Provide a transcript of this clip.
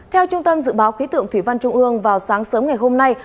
theo trung tâm dự báo khí tượng thủy văn trung ương vào sáng sớm ngày hôm nay